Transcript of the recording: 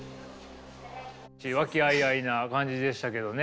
和気あいあいな感じでしたけどね。